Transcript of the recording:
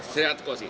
saya suka sih